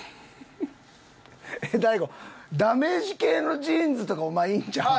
えっ大悟ダメージ系のジーンズとかお前いいんちゃう？